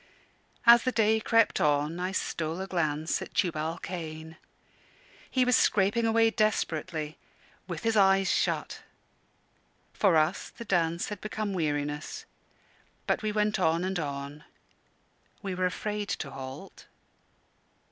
As the day crept on, I stole a glance at Tubal Cain. He was scraping away desperately with his eyes shut. For us the dance had become weariness, but we went on and on. We were afraid to halt.